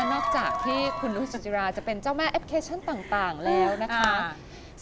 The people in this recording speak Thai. นอกจากที่คุณนุษสุจิราจะเป็นเจ้าแม่แอปพลิเคชันต่างแล้วนะคะ